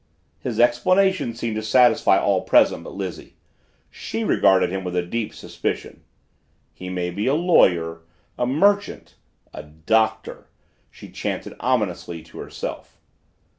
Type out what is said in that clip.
His explanation seemed to satisfy all present but Lizzie. She regarded him with a deep suspicion. "'He may be a lawyer, a merchant, a Doctor...'" she chanted ominously to herself.